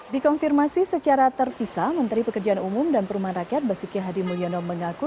dikonfirmasi secara terpisah menteri pekerjaan umum dan perumahan rakyat basuki hadi mulyono mengaku